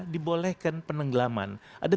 dibolehkan penenggelaman ada